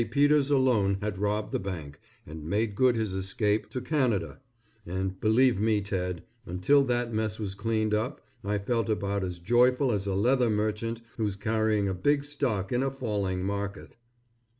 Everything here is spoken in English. Peters alone had robbed the bank and made good his escape to Canada, but, believe me, Ted, until that mess was cleaned up I felt about as joyful as a leather merchant who's carrying a big stock in a falling market.